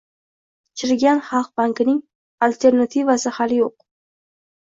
Chirigan Xalq bankining alternativasi hali yo'q